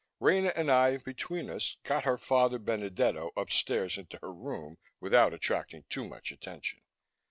Rena and I, between us, got her father, Benedetto, upstairs into her room without attracting too much attention.